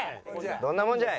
どんなもんじゃい！